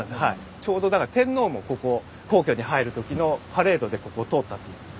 ちょうどだから天皇もここを皇居に入る時のパレードでここを通ったっていうんです。